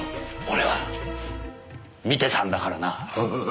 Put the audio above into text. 俺は見てたんだからな。